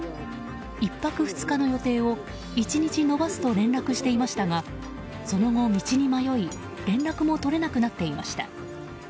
１泊２日の予定を１日延ばすと連絡していましたがその後、道に迷い連絡も取れなくなっていました。